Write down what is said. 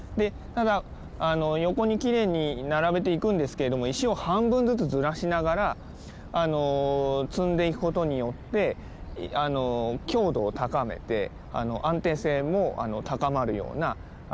ただ横にきれいに並べていくんですけれども石を半分ずつずらしながら積んでいく事によって強度を高めて安定性も高まるような積み方です。